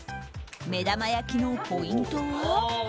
目玉焼きのポイントは。